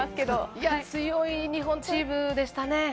強い日本チームでしたね。